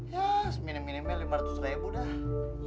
ya seminem minemnya lima ratus ribu dah